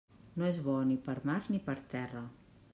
No és bo ni per mar ni per terra.